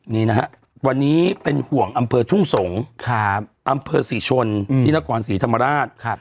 นี่นะฮะวันนี้เป็นห่วงอำเภอทุ่งสงศ์อำเภอศรีชนที่นครศรีธรรมราช